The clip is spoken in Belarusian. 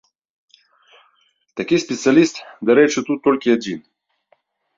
Такі спецыяліст, дарэчы, тут толькі адзін.